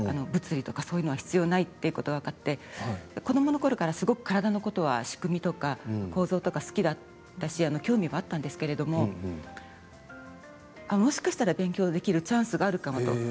物理とかそういうのは必要ないっていうことが分かって子どものころからすごく体のことは仕組みとか構造とか好きだったし興味はあったんですけれどももしかしたら勉強できるチャンスがあるかもと。